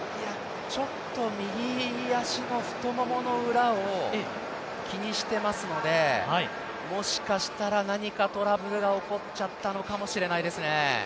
ちょっと右脚の太ももの裏を気にしてますのでもしかしたら何かトラブルが起こっちゃったのかもしれないですね。